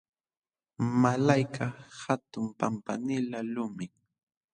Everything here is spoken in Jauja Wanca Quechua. Malaykaq hatun pampanilaq lumim.